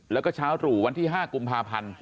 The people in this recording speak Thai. แล้วก็เช้าตรู่วันที่๕กุมภาพันธ์